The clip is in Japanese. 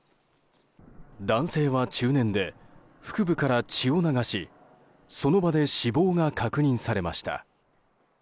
男性は中年で腹部から血を流しその場で死亡が確認されました。